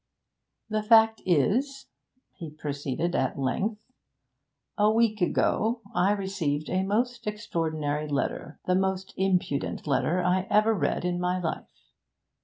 'The fact is,' he proceeded at length, 'a week ago I received a most extraordinary letter the most impudent letter I ever read in my life.